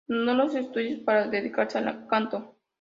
Abandonó los estudios de derecho para dedicarse al canto.